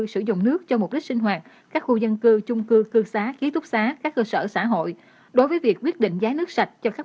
sử dụng nước cho mục đích sinh hoạt